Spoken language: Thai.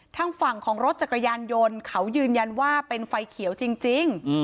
ทางฝั่งของรถจักรยานยนต์เขายืนยันว่าเป็นไฟเขียวจริง